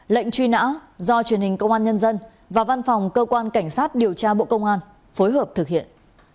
lệnh truy nã do truyền hình công an nhân dân và văn phòng cơ quan cảnh sát điều tra bộ công an phối hợp thực hiện